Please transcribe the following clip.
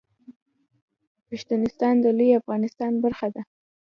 پښتونستان د لوی افغانستان برخه ده